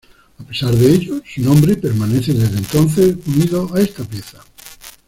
A pesar de ello, su nombre permanece desde entonces unido a esta pieza.